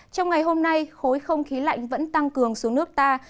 trong ngày hôm nay khối không khí lạnh liên tục tăng cường xuống nước ta